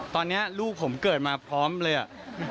ตอนนี้ลูกผมเกิดมาพร้อมเลยอะ